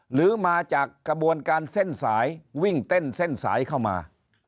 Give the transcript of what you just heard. หรือมาจากกระบวนการเส้นสายวิ่งเต้นเส้นสายเข้ามา